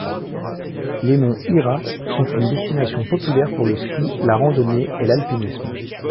Les monts Hira sont une destination populaire pour le ski, la randonnée et l'alpinisme.